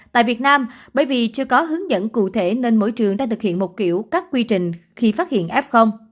tại việt nam bởi vì chưa có hướng dẫn cụ thể nên mỗi trường đã thực hiện một kiểu các quy trình khi phát hiện f